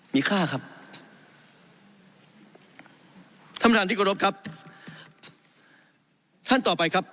มีค่าครับท่านประธานที่กรบครับท่านต่อไปครับ